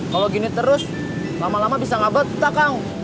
kalau gini terus lama lama bisa nggak betah kang